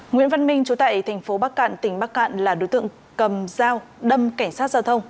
nguyễn văn minh chú tại thành phố bắc cạn tỉnh bắc cạn là đối tượng cầm dao đâm cảnh sát giao thông